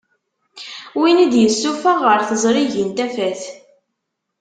Win i d-yessuffeɣ ɣer tezrigin tafat.